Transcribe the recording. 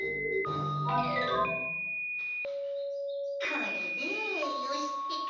これでよしってか。